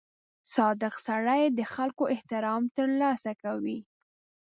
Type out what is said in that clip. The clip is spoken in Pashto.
• صادق سړی د خلکو احترام ترلاسه کوي.